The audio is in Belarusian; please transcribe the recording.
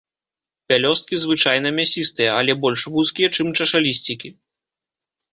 Пялёсткі звычайна мясістыя, але больш вузкія, чым чашалісцікі.